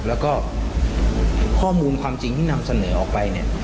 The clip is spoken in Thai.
แล้วก็ข้อมูลความจริงที่นำเสนอออกไปเนี่ย